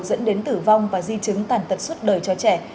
dẫn đến tử vong và di chứng tàn tật suốt đời cho trẻ